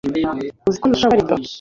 uzi ko ntashobora gukora ibyo